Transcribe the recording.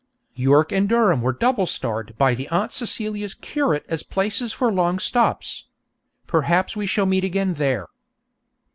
York and Durham were double starred by the Aunt Celia's curate as places for long stops. Perhaps we shall meet again there.